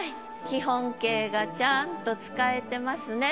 基本形がちゃんと使えてますね。